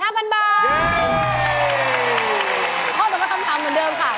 ข้อมันก็คำถามเหมือนเดิมค่ะ